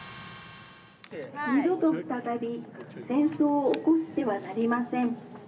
二度と再び戦争を起こしてはなりません。